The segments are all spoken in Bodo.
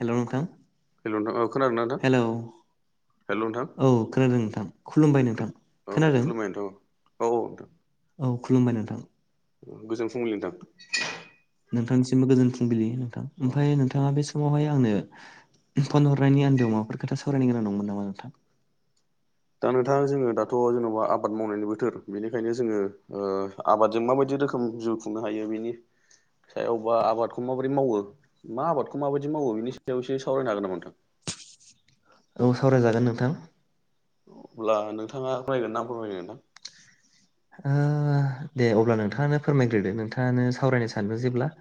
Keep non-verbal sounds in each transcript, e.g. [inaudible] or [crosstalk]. हेलौ नोंथां हेल' नोंथां औ खोनादोंना नोंथां। हेलौ हेल' नोंथां औ खोनादों नोंथां खुलुमबाय नोंथां औ खोनादों खुलुमबाय नोंथां औ औ औ नोंथां। औ खुलुमबाय नोंथां। गोजोन फुंबिलि नोंथां। नोंथांनिसिमबो गोजोन फुंबिलि नोंथां औ ओमफ्राय नों नोंथाङा बे समावहाय आंनो फन हरनायनि आनदोयाव माबाफोर खोथा सावरायनो गोनां दंमोन नामा नोंथां? दा नोंथां जोङो दाथ' जेन'बा आबाद मावनायनि बोथोर बेनिखायनो जोङो ओ आबादजों माबायदि रोखोम जिउ खुंनो हायो बेनि सायावबा आबादखौ माबोरै मावो मा आबादखौ माबायदि मावो बिनि सायाव एसे सावरायनो हागोन नामा नोंथां? औ सावरायजागोन नोंथां। अब्ला नोंथाङा फरायगोन ना फोरमायगोन नोंथां। दे अब्ला नोंथाङानो फोरमायग्रोदो नोंथाङानो सावरायनो सानदों जेब्ला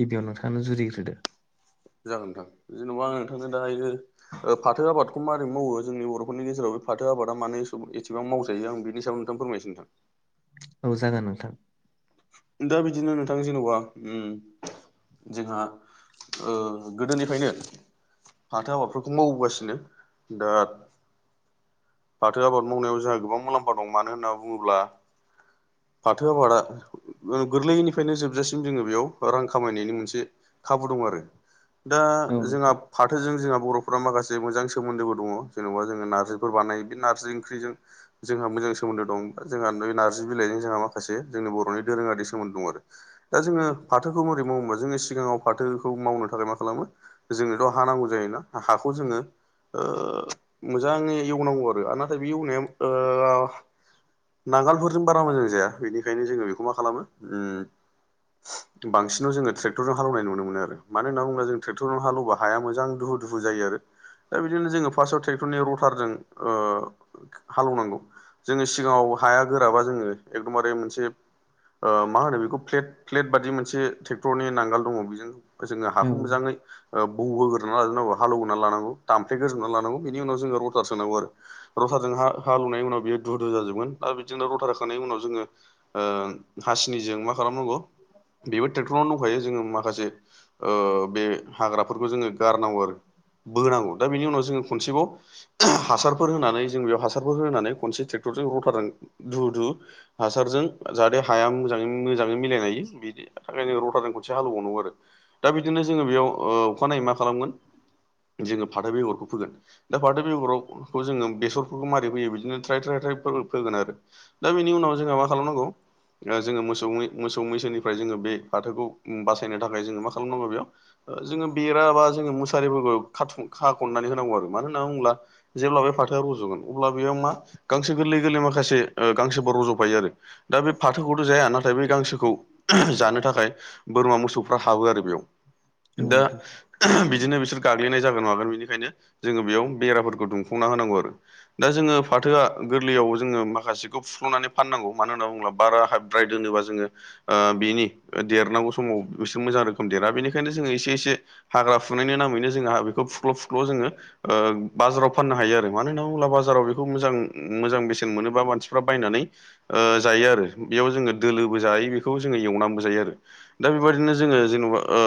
गिबियाव नोंथाङानो जुरिजेनग्रोदो। जागोन नोंथां जेन'बा आं नोंथांनो दायो। फाथो आबादखौ माबारोरै मावो जोंनि बर'फोरनि गेजेराव बे फाथो आबादा मानो एसेबां मावजायो आं बेनि सायाव। द फोरमायनोसै नोंथां। औ जागोन नोंथां। दा बिदिनो नोंथां जेनेबा ओम जोंहा ओ गोदोनिफ्रायनो फाथो आबादफोरखौ मावबोगासिनो दा फाथो आबाद मावनायाव जोंहा गोबां मुलामफा दं मानो होनना बुङोब्ला फाथो आबादा गोरलैनिफ्रायनो जोबजासिम जोङो बेयाव रां खामायनायनि मोनसे खाबु दं आरो। दा औ जोंहा नोंथां फाथोजों जोंहा बर'फ्रा माखासे मोजां सोमोनदोबो दङ जेन'बा जोङो नारजिफोरबो बानाय। बे नारजि ओंख्रिजों जोंहा मोजां सोमोन्दो दं जोंहा नारजि बिलाइजों जोंहा माखासे जोंनि बर'नि दोरोङारि सोमोनदो दं आरो। दा जोङो फाथोखौ माबोरै मावोबा जोङो सिगाङाव फाथोखौ मावनो थाखाय मा खालामो। जोंनोथ' हा नांगौ जायोना हाखौ जोङो मोजाङै ओ एवनांगौ आरो। नाथाय बे एवनाया ओ नांगालफोरजों बारा मोजां जाया बेनिखायनो जोङो बेखौ मा खालामो ओम बांसिनाव जोङो ट्रेक्टर हाल एवनाय नुनो मोनो होनना बुङोला जों ट्रेक्टरजों हालेवा हाया मोजां दुहु दुहु जायो आरो। दा बिदिनो जोङो फार्स्टआव ट्रेक्टरनि रटारजों ओ हाल एवनांगौ जोङो सिगाङाव हाया गोराबा जोङो एकदमबारे मोनसे ओ मा होनो बेखौ प्लेट प्लेट बादि मोनसे ट्रेक्टरनि नांगाल दङ बेजों जोङो औ हाखौ मोजाङै ओ बौगोरोनानै लाजोबनांगौ हालौवोन लांनांगौ दाम्फे ग्रोबनानै लानांगौ बि उनाव जोङो रटार सोनांगौ आरो। रथारजों हा हालुनायनि उनाव बियो धुल घुल जाजोबगोन आरो बिदिनो रथा होखांनायनि उनाव जोङो ओ हासिनिजों मा खालामनांगौ? बेबो ट्रेक्टरनाव दंखायो जोङो माखासे बे हाग्राफोरखौ जोङो गारनांगौ आरो बोनांगौ दा बेनि उनाव जोङो खनसेबाव हासार फोर हो होनानै जों बेयाव हासारफोर होनानै खनसे ट्रेक्टरजों रथारजों धु धु हासारजों जाहाथे हाया मोजाङै मोजाङै मिलायलायो बिदि थाखायनोङो रथाजों खनसे हालेवनांगौ आरो दा बिदिनो जोङो बेयाव अखानायै मा खालामगोन? जोङो फाथो बेगरखौ फोगोन दा फाथो बेगराव खौ जोङो बेसरफोरखौ मारोरै होयो बिदिनो थ्राय थ्राय थ्राय फोगोन आरो। दा बेनि उनाव जोंहा मा खालामनांगौ? जोङो मोस मोसौ मैसोनिफ्राय जोङो बे फाथोखौ बासायनो थाखाय जोङो मा खालामनांगौ बेयाव? जोङो बेर बा जोङो मुसारिफोरखौ खा खाखननानै होनांगौ आरो मानो होनना बुङोब्ला जेब्ला बे फाथोआ रज'गोन अब्ला बेयाव मा गांसो गोरलै गोरलै माखासे ओ गांसोबो रज'फायो आरो। दा बे फाथोखौथ' जाया नाथाय बे गांसोखौ जानो थाखाय बोरमा मोसौफ्रा हाबो आरो बेयाव। औ दा नोंथां बिदिनो बिसोर गाग्लिनाय जागोन नागोन बेनिखायनो जोङो बेयाव बेराफोरखौ दुंम सुंना होनांगौ आरो। दा जोङो फाथोआ गोरलैयाव जोङो माखासेखौ फुफ्ल'नानै फाननांगौ मानो होनना बुङोब्ला बारा हाय फ्राय दोनोबा जोङो ओ बेनि देरनांगौ समाव बिसोर मोजां रोखोम देरा बेनिखायनो जोङो एसे एसे हाग्रा फुनायनि नामैनो जोंहा बेखौ फुख्ल' फुख्ल जोङो ओ बाजाराव फाननो हायो आरो मानो होना अला बाजाराव बेखौ मोजां मोजां बेसेन मोनोबा मानसिफ्रा बायनानै ओ जायो आरो बेयाव जोङो दोलोबो जायो बेखौ जोङो एवनानैबो जायो आरो। दा बेबायदिनो जोङो जेनेबा ओ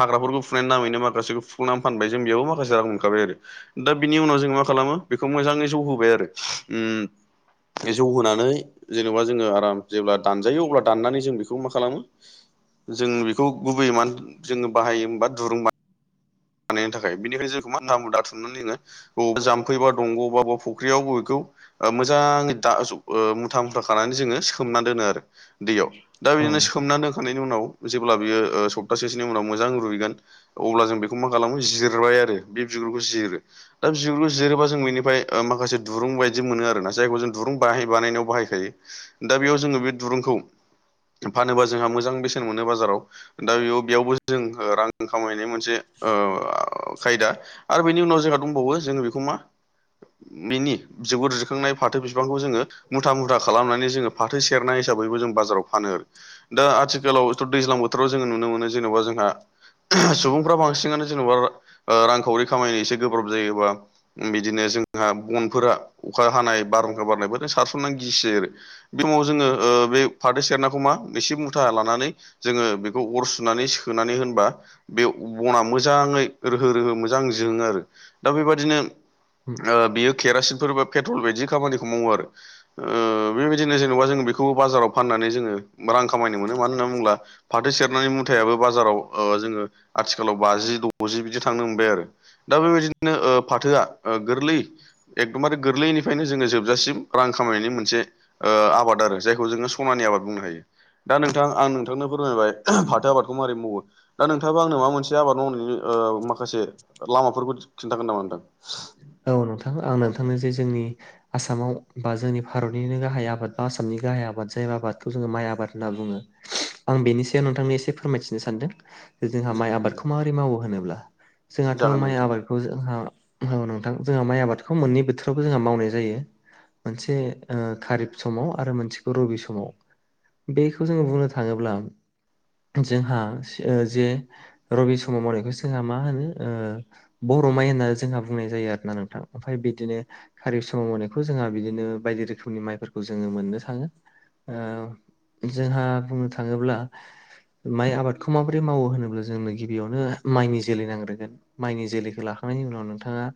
हाग्राफोरखौ फुनायनि नामैनो माखासेखौ फुखुंनानै फानबाय जों बेयावबो माखासे रां मोनखाबाय आरो दा बिनि उनाव जों मा खालामो बेखौ मोजाङै जौ होबाय आरो बे जौ होनानै जेनेबा जोङो आराम जेब्ला दानजायो अब्ला दाननानै जों बेखौ मा खालामो? जों बेखौ गुबैयै मानो जोङो बाहायोबा दुरुंबा बानायनि थाखाय बेनिखफ्राय जोंखौ मा ना दाथुमनानै जोङो बबेा जाम्फै बांग' बा बबा फख्रियाव बबेखौ मोजाङ दा मुथा मुथा खानानै जोङो सोमना दोनो आरो। दैयाव दा औ बिदिनो नोंथां सोमनानै दोनखांनायनि उनाव जेब्ला बियो सप्तासेसोनि उनाव मोजां रुइगोन अब्ला जों बेखौ मा खालामो जिरबाय आरो बे बिगुरखौ जिरो। दा बिगुर जिरोबा जों बेनिफ्राय माखासे दुरुं बायदि मोनो आरोना जायखौ जों दुरुं बाहाय बानायनायाव बाहायखायो। दा बेयाव जोङो बे दुरुंखौ फानोबा जोंहा मोजां बेसेन मोनो बाजाराव। दा बेयाव बेयावबो जों रां खामायनाय मोनसे ओ खायदा आरो बेनि उनाव जोंहा दंबावो जोङो बेखौ मा बिनि जाबुर दिखांनाय फाथो बिफांखौ जोङो मुथा मुथा खालामनानै जोङो फाथो सेरनाय हिसाबैबो जों बाजाराव फानो। दा आथिखालावथ' दैज्लां बोथोराव जोङो नुनो मोनो जेन'बा जोंहा सुबुंफ्रा बांसिन हारसिङानो जेन'बा रांखावरि खामायनो एसे गोब्राब जायोबा बिदिनो जोंहा बनफोरा अखा हानाय बारहुंखा बारनायफोरजों सारसननानै गिसियो आरो। बे समाव जोङो बे फाथै सेरनाखौ मा एसे मुथा लानानै जोङो बेखौ अर सुनानै सोनानै होनबा बे बना मोजाङै रोहो रोहो मोजां जोङो आरो दा बेबादिनो बियो केरासिनफोर बा पेट्रल बायदि खामानिखौ मावो आरो ओ बेबादिनो जेनेबा जों बेखौ बाजाराव फाननानै जोङो रां खामायनो मोनो मानो होनना बुङोब्ला फाथो सेरनानै मुथायाबो बाजाराव जोङो आथिखालाव बाजि द'जि बिदि थांनो मोनबाय आरो दा बेबायदिनो फाथोआ गोरलै एकदमबारे गोरलैनिफ्रायनो जोङो जोबजासिम रां खामायनायनि मोनसे ओ आबाद आरो जायखौ जोङो सनानि आबाद बुंनो हायो। दा नोंथां आं नोंथांनो फोरमायबाय फाथो आबादखौ मारै मावो दा नोंथाङाबो आंनो मा मोनसे आबाद मावनायनि ओ माखासे लामाफोरखौ खिन्थागोन नामा नोंथां? औ नोंथां आं नोंथांनो जे जोंनि ओ आसामाव बा जोंनि भारतनिनो गाहाय आबाद बा आसामनि गाहाय आबाद जाय आबादखौ जोङो माइ आबाद होनना बुङो। आं बेनि सायाव नोंथांनो एसे फोरमायथिनो सानदों। जोंहा माइ आबादखौ माबोरै मावो होनोब्ला जोंहाथ' जागोन माइ नोंथां आबादखौ जोंहा मावो थां जोंहा माइ आबादखौ मोननै बोथोरावबो जोंहा मावनाय जायो। मोनसे खारिब समाव आरो मोनसेखौ रबि समाव बेखौ जोङो बुंनो थाङोब्ला जोंहा ओ जे रबि समाव मावनायखौ जोंहा मा होनो ओ बर' माइ होननानै जोंहा बुंनाय जायो आरो नोंथां ओमफाय बिदिनो। खारिब समाव मावनायखौ जोंहा बिदिनो बायदि रोखोमनि माइफोरखौ जोङो मोननो थाङो। जोंहा बुंनो थाङोब्ला ओ माइ आबादखौ माबोरै मावो होनोब्ला जोंनो गिबियावनो माइनि जोलै नांग्रोगोन। माइनि जोलैखो लाखांनायनि उनाव नोंथाङा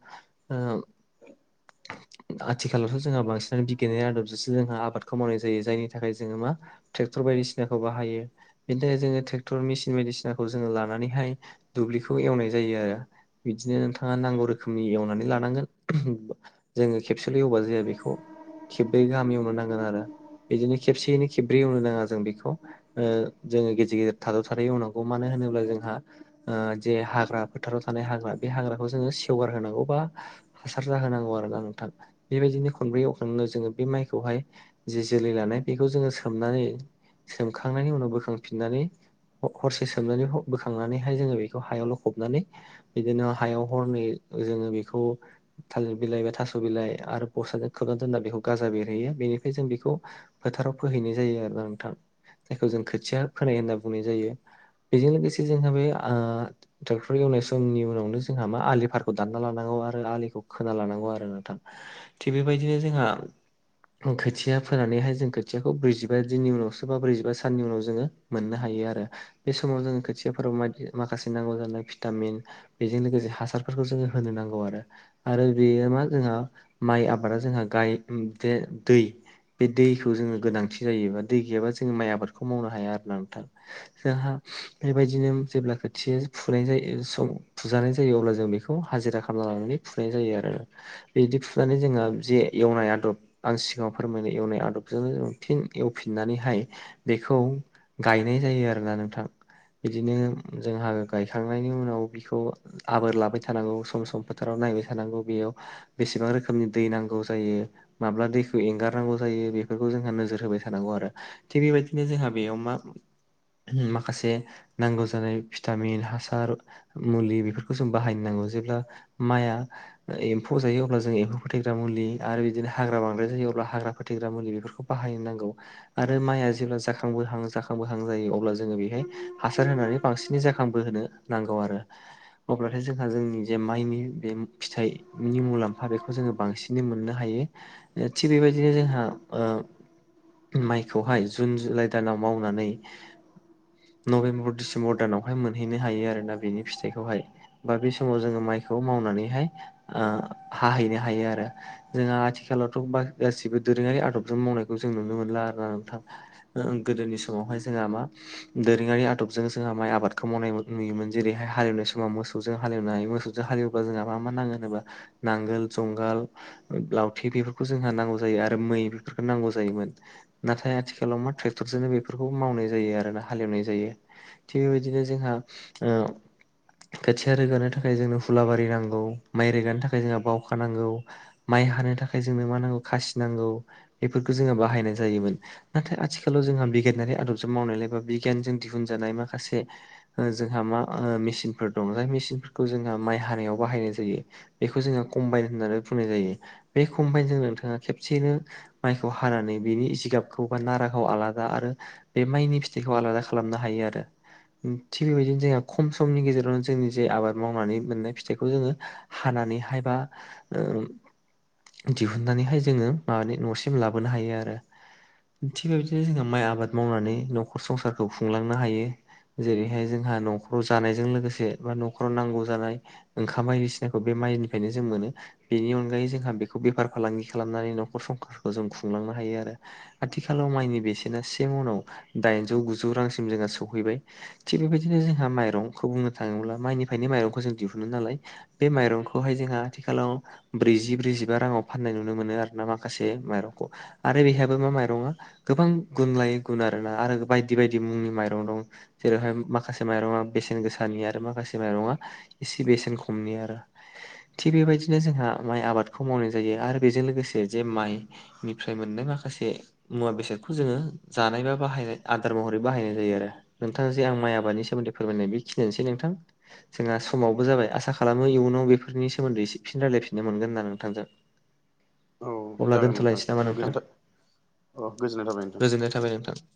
ओ [inaudible] आथिखालावथ' जोंहा बांसिनानो बिगियाननि आदबजोंसो जोंहा आबादखौ मावनाय जायो। जायनि थाखाय जोङो मा? थेक्टर बादिसिनाखौ बाहायो। बेनि थाखाय जोङो ट्रेक्टर मेसिन बायदिसिनाखौ जोङो लानानैहाय दुब्लिखौ एवनाय जायो आरो बिदिनो नोंथाङा नांगौ रोखोमनि एवनानै लानांगोन जोङो खेबसेल' एवबा जाया बेखौ खेब्रै गाहाम एवनो नांगोन आरो बिदिनो खेबसेयैनो खेब्रै एवनो नाङा जों बेखौ। ओ जोङो गेजेर गेजेर थाद' थाद' एवनांगौ। मानो होनोब्ला जोंहा ओ ओ जे हाग्रा फोथाराव थानाय हाग्रा बे हाग्राखौ ओ जोङो सेवगार होनांगौ बा हासार जाहोनांगौ आरोना नोंथां बेबायदिनो खनब्रै एवखांनो जोङो बे माइखौहाय जि जोलै लानाय बेखौ जोङो सोमनानै सोमखांनायनि उनाव बोखांफिननानैओ ह'-हरसे सोमनानै बोखांनानैहाय जोङो बेखौ हायाव लखबनानै बिदिनो हायाव हरनै जोङो बेखौ थालिर बिलाइ एबा थास' बिलाइ आरो बसताजों खोबना दोनना बेखौ गाजा बेरहैयो बेनिफ्राय जों बेखौ फोथाराव फोहैनाय जायो आरोना नोंथां जायखौ जों खोथिया फोनाय होनना बुंनाय जायो। बेजों लोगोसे जोंहा बे ओ ट्रेक्टर एवनाय समनि उनावनो जोंहा मा आलि फारखौ दानना लानां आरो आलिखौ खोना लानांगौ आरो नोंथां थिग बेबायदिनो जोंहा खोथिया फोनानैहाय जों खोथियाखौ ब्रैजिबा दिननि उनावसो बा ब्रैजिबा साननि उनाव जोङो मोननो हायो आरो बे समाव जोङो खोथियाफोराव माखासे नांगौ जानाय भिटामिन। बेजों लोगोसे हासारफोरखौ जोङो होनो नांगौ आरो आरो बेयो मा जोंहा माइ आबादा जोंहा गाय ओ दे दै। बे दैखौ जोङो गोनांथि जायोबा दै गैयाबा जोंङो माइ आबादखौ मावनो हाया आरोना नोंथां। जोंहा बेबायदिनो जेब्ला ओ खोथि फुनाय जायो सम फुजानाय जायो अब्ला जों बे खौ हाजिरा खामला लानानै फुनाय जायो आरो बिदि फुनानै जोंहा जे एवनाय आदब आं सिगाङाव फोरमायनो एवनाय आदबजोंनो थिन एवफिननानैहायो बेखौ गायनाय जायो आरोना नोंथां। इदिनो जोंहा गायखांनायनि उनाव बिखौ आबोर लाबाय थानांगौ सम सम फोथाराव नायबाय थानांगौ बेयाव बेसेबां रोखोमनि दै नांगौ जायो? माब्ला दैखौ एंगारनांगौ जायो? बेफोरखौ जोंहा नोजोर होबाय थानांगौ आरो थिग बेबायदिनो जोंहा बेयाव मा? माखासे नांगौ जानाय भिटामिन हासार मुलि बेफोरखो जों बाहायनो नांगौ जेब्ला माइआ एम्फौ जायो। अब्ला जों एम्फौ फोथैग्रा मुलि आरो बिदिनो हाग्रा बांद्राय जायो। अब्ला हाग्रा फोथैग्रा मुलि बेफोरखौ बाहायनांगौ। आरो माया जेब्ला जाखांबोहां जाखांबोहां जायो अब्ला जोङो बेहाय हासार होनानै बांसिनै जाखांबो होनो। नांगौ आरो अब्लाथाय जों जोंनि जे माइनि बे फिथाइनि मुलाम्फा बेखौ जोङो बांसिनै मोननो हायो। थिग बेबायदिनो जोंहा ओ माइखौहाय जुन जुलाइ दानाव मावनानै नभेम्बर डिसेम्बर दानावहाय मोनहैनो हायो आरोना बिनि फिथाइखौहाय। बा बे समाव जोङो माइखौ मावनानैहाय हाहैनो हायो आरो। जोंहा आथिखालावथ' गासिबो दोरोङारि आदबजों मावनायखौ जों नुनो मोनला आरोना नोंथां। गोदोनि समावहाय जोंहा मा दोरोङारि आदबजों जोंहा माइ आबादखौ मावनाय नुयोमोन जेरैहाय हाल एवनाय समाव मोसौ मोसौजों हाल एवनो हायो मोसौजों हाल एवब्लाा जोंहा मा मा नाङो होनोबा नांगोल जुंगाल लावथि बेफोरखौ जोंहा नांगौ जायो आरो मै बेफोरखौ नांगौ जायोमोन। नाथाय आथिखालाव मा ट्रेक्टरजोंनो बेफोरखौ मावनाय जायो आरोना हाल एवनाय जायो। थिग बेबायदिनो जोंहा ओ खोथिया रोगानो थाखाय जोंनो हुलाबारि नांगौ माइ रोगानो थाखाय जोंहा बावखा नांगौ। माइ हानो थाखाय जोंनो मा नांगौ खासि नांगौ बेफोरखौ जोङो बाहायनाय जायोमोन। नाथाय आथिखालाव जोंहा बिगियानारि आदबजों मावनायलाय बा बिगियानजों दिहुनजानाय माखासे ओ जोंहा मा मेसिनफोर दङो जाय मेसिनफोरखौ जोंहा माइ हानायाव बाहायनाय जायो। बेखौ जोङो कम्बाइन होननानै बुंनाय जायो बे कम्बाइनजों नोंथाङा खेबसेयैनो माइखौ हानानै बेनि जिगाबखौ बा नाराखौ आलादा आरो। बे माइनि फिथाइखौ आलादा खालामनो हायो आरो थिग बेबायदिनो जोंहा खम समनि गेजेराव जोंनि जे आबाद मावनानै मोननाय फिथाइखौ जोङो हानानैहाय बा दिहुननानैहाय जोङो माबानि न'सिम लाबोनो हायो आरो। थिग बेबायदिनो जोंहा माइ आबाद मावनानै न'खर संसारखौ खुंलांनो हायो। जेरैहाय जोंहा न'खराव जानायजों लोगोसे बा न'खराव नांगौ जानाय। ओंखाम बायदिसिनाखौ बे माइनिफ्रायनो जों मोनो। बेनि अनगायै जोंहा बेखौ बेफार फालांगि खालामनानै नखर संसारखौ जों खुंलांनो हायो आरो। आथिखालाव माइनि बेसेना से उनाव दाइनजौ गुजौ रांसिम जोंहा सौहैबाय। थिग बेबायदिनो जोंहा माइरंखौ बुंनो थाङोब्ला माइनिफ्रायनो माइरंखौ जों दिहुनो नालाय। बे माइरंखौहाय जोंहा आथिखालाव ब्रैजि ब्रैजिबा राङाव फाननाय नुनो मोनो आरोना माखासे माइरंखौ आरो बेहायाबो मा माइरङा गोबां गुन लायै गुन आरोना आरो बायदि बायदि मुंनि माइरं दं। जेरैहाय माखासे माइरंआ बेसेन गोसा नि आरो माखासे माइरंआ एसे बेसेन खमनि आरो। थिग बेबायदिनो जोंहा माइ आबादखौ मावनाय जायो आरो बेजों लोगोसे जे माइ निफ्राय मोननाय माखासे मुवा बेसादखौ जोङो जानाय बा बाहायनाय आदार महरै बाहायनाय जायो आरो। नोंथां आं जे आं माइ आबादनि सोमोन्दै फोरमायनाय बेखिनियानोसै नोंथां। जोंहा समाबो जाबाय आसा खालामो इयुनाव बेफोरनि सोमोन्दै एसे फिन रायलायफिननो मोनगोन होन्ना नोंथांजों औ अब्ला जागोन नोंथां दोनथ'लायनोसै नामा औ गोजोननाय थाबाय नोंथां। गोजोननाय थाबाय नोंथां